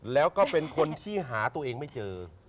แล้วก็เป็นคนที่หาตัวเองไม่เจอ